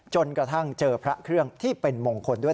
จนกระทั่งเจอพระเครื่องที่เป็นมงคลด้วย